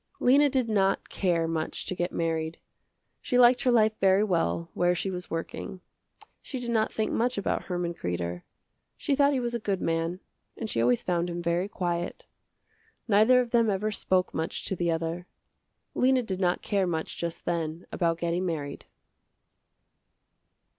Lena did not care much to get married. She liked her life very well where she was working. She did not think much about Herman Kreder. She thought he was a good man and she always found him very quiet. Neither of them ever spoke much to the other. Lena did not care much just then about getting married.